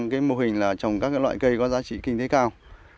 cái mô hình là trồng các loại cây có giá trị kinh tế cao